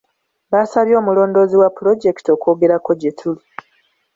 Baasabye omulondoozi wa pulojekiti okwogerako gye tuli.